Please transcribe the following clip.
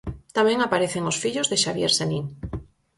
Tamén aparecen os fillos de Xavier Senín.